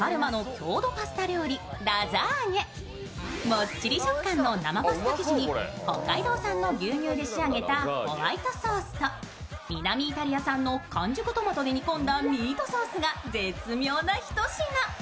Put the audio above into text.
もっちり食感の生パスタ生地に北海道産の牛乳で仕上げたホワイトソースと南イタリア産の完熟トマトで煮込んだミートソースが絶妙なひと品。